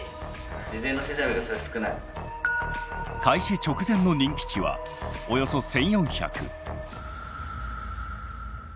開始直前の人気値はおよそ１，４００。